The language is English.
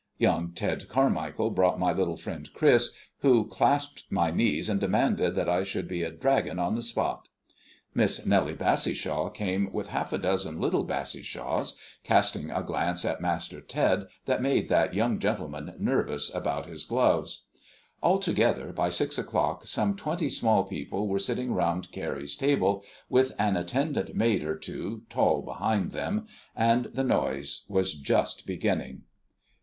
Young Ted Carmichael brought my little friend Chris, who clasped my knees and demanded that I should be a dragon on the spot. Miss Nellie Bassishaw came with half a dozen little Bassishaws, casting a glance at Master Ted that made that young gentleman nervous about his gloves. Altogether by six o'clock some twenty small people were sitting round Carrie's table, with an attendant maid or two tall behind them, and the noise was just beginning.